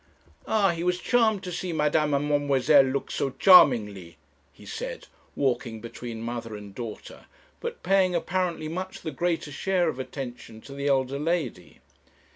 'Ah, he was charmed to see madame and mademoiselle look so charmingly,' he said, walking between mother and daughter, but paying apparently much the greater share of attention to the elder lady.